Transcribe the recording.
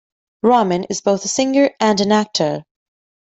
Ramin is both a singer and an actor.